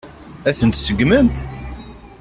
Ad ten-tseggmemt?